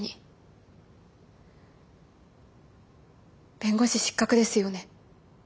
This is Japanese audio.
弁護士失格ですよね。